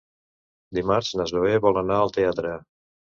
Dimarts na Zoè vol anar al teatre.